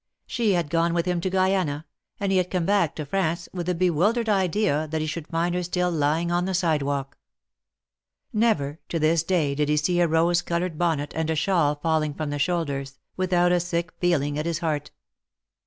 She had gone with him to Guiana, and he had come back to France, with the bewildered idea that he should find her still lying on the sidewalk. Never to this day did he see a rose colored bonnet and a shawl falling from the shoulders, without a sick feeling at his heart.